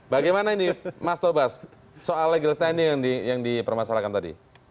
bagaimana ini mas tobas soal legal standing yang dipermasalahkan tadi